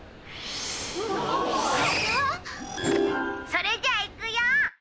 「それじゃあいくよ」